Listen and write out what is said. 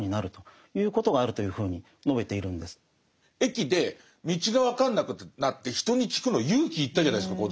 駅で道が分かんなくなって人に聞くの勇気いったじゃないですか